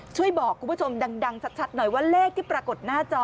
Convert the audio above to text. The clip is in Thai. ช่วยบอกคุณผู้ชมดังชัดหน่อยว่าเลขที่ปรากฏหน้าจอ